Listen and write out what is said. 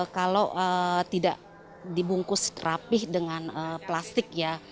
kalau tidak dibungkus rapih dengan plastik ya